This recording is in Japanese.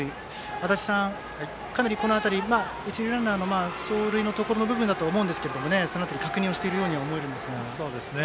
足達さん、かなりこの辺り一塁ランナーの走塁の部分だと思うんですけれども、その辺り確認をしているように思いますが。